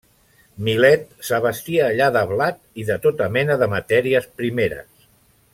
Milet s'abastia allà de blat i de tota mena de matèries primeres.